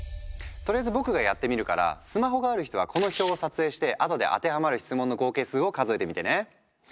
とりあえず僕がやってみるからスマホがある人はこの表を撮影してあとで当てはまる質問の合計数を数えてみてね。